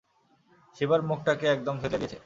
শিবার মুখটাকে একদম থেঁতলে দিয়েছে।